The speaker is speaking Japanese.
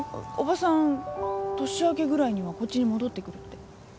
伯母さん年明けぐらいにはこっちに戻ってくるって。